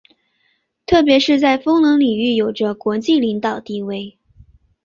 特别是在风能领域有着国际领导地位。